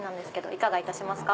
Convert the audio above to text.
いかがいたしますか？